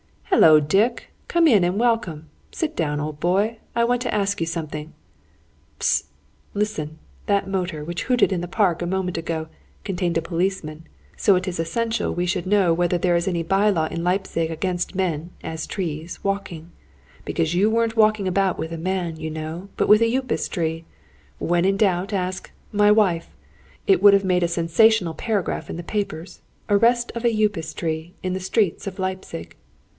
"Hullo, Dick! Come in, and welcome! Sit down, old boy. I want to ask you something. Hist! Listen! That motor, which hooted in the park a moment ago, contained a policeman so it is essential we should know whether there is any by law in Leipzig against men, as trees, walking. Because you weren't walking about with a man, you know, but with a Upas tree. When in doubt, ask my wife! It would have made a sensational paragraph in the papers: 'Arrest of a Upas tree, in the streets of Leipzig!'